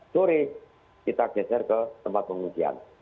suruh kita geser ke tempat pengungsian